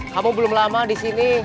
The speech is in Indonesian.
kamu belum lama di sini